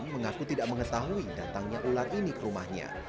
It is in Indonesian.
mengaku tidak mengetahui datangnya ular ini ke rumahnya